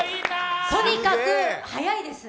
とにかく早いです。